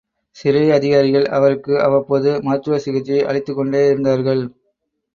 சிறை அதிகாரிகள் அவருக்கு அவ்வப்போது மருத்துவ சிகிச்சையை அளித்துக் கொண்டே இருந்தார்கள்.